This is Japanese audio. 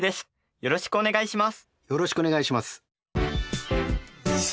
よろしくお願いします。